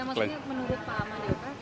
ya maksudnya menurut pak amadio pak